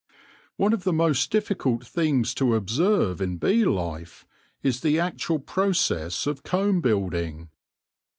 One of the most difficult things to observe in bee life is the actual process of comb building.